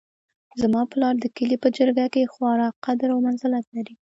زما پلار د کلي په جرګه کې خورا قدر او منزلت لري